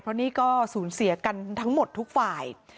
เพราะนี่ก็สูญเสียกันทั้งหมดทุกฝ่าย